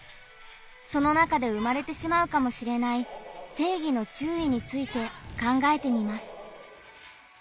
その中で生まれてしまうかもしれない「正義の注意」について考えてみます。